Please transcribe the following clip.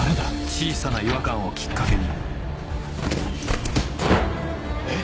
小さな違和感をきっかけにえっ？